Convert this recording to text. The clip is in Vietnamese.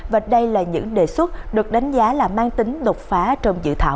và đây là những đề xuất được đánh giá là mang tính đột phá trong dự thảo